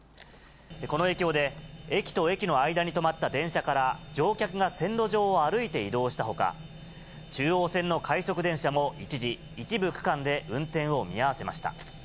この影響で、駅と駅の間に止まった電車から乗客が線路上を歩いて移動したほか、中央線の快速電車も一時、一部区間で運転を見合わせました。